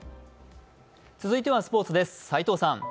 続いてはスポーツです。